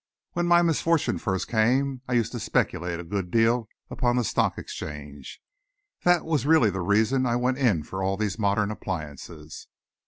"When my misfortune first came, I used to speculate a good deal upon the Stock Exchange. That was really the reason I went in for all these modern appliances."